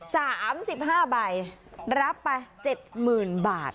สามสิบห้าใบรับไปเจ็ดหมื่นบาท